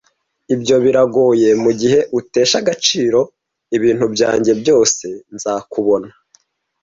ibyo biragoye mugihe utesha agaciro ibintu byanjye byose nzakubona